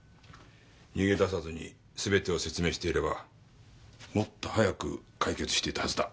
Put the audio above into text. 逃げ出さずに全てを説明していればもっと早く解決していたはずだ。